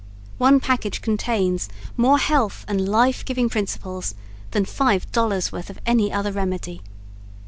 One package contains more health and life giving principles than $5.00 worth of any other remedy.